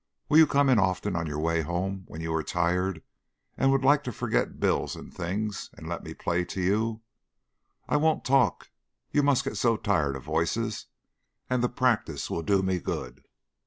"Will you come in often on your way home when you are tired and would like to forget bills and things, and let me play to you? I won't talk you must get so tired of voices! and the practice will do me good."